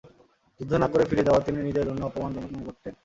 যুদ্ধ না করে ফিরে যাওয়া তিনি নিজের জন্য অপমান জনক মনে করতেন।